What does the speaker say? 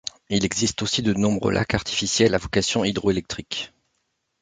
Il existe aussi de nombreux lacs artificiels à vocation hydroélectrique.